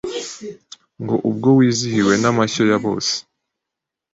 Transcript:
Ngo ubwo wizihiwe n'amashyo ya bose